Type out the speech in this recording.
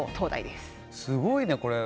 すごいねこれ。